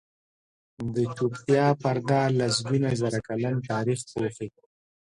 د چوپتیا پرده لسګونه زره کلن تاریخ پوښي.